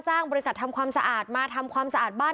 บริษัททำความสะอาดมาทำความสะอาดบ้าน